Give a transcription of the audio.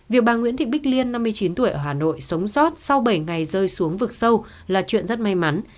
việc bà nguyễn thị bích liên năm mươi chín tuổi ở hà nội sống sót sau bảy ngày rơi xuống vực sâu là chuyện rất may mắn